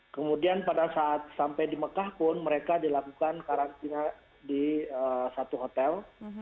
kemudian pada saat sampai di mekah pun mereka dilakukan karantina di satu hotel